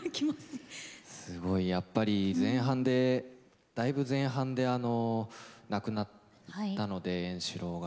すごいやっぱり前半でだいぶ前半で亡くなったので円四郎が。